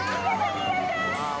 逃げて！